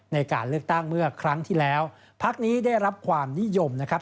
ในการเลือกตั้งเมื่อครั้งที่แล้วพักนี้ได้รับความนิยมนะครับ